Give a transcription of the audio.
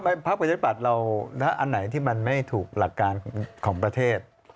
พักประชาธิปัตย์เราอันไหนที่มันไม่ถูกหลักการของประเทศ